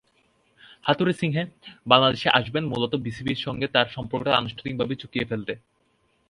হাথুরুসিংহে বাংলাদেশে আসবেন মূলত বিসিবির সঙ্গে তাঁর সম্পর্কটা আনুষ্ঠানিকভাবে চুকিয়ে ফেলতে।